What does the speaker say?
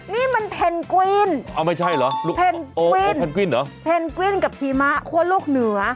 นี่มันแพงกวินเอ้อไม่ใช่เหรอแพงกวินกับพี่มะกลัวลูกเหนือ